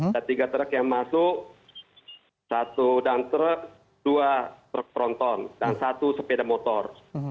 ada tiga truk yang masuk satu dan truk dua truk tronton dan satu sepeda motor